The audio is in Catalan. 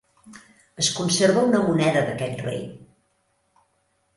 Es conserva una moneda d'aquest rei.